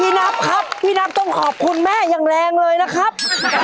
นับครับพี่นับต้องขอบคุณแม่อย่างแรงเลยนะครับ